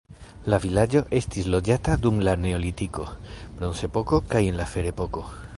La vilaĝo estis loĝata dum la neolitiko, bronzepoko kaj en la ferepoko.